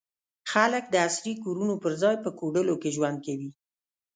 خلک د عصري کورونو پر ځای په کوډلو کې ژوند کوي.